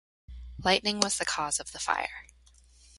Lightning was the cause of the fire.